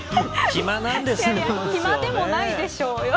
暇でもないでしょうよ。